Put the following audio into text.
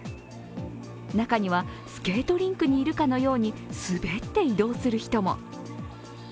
中にはスケートリンクにいるかのように滑って移動する人も。